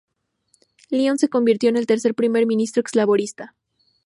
Lyons se convirtió en el tercer Primer Ministro ex laborista.